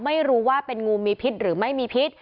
ไม่รู้ว่าเป็นงูมีพิษหรือไม่มีพิษ